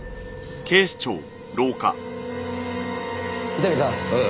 伊丹さん。